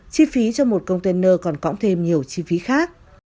chi phí cho một container còn cõng thêm nhiều chi phí khác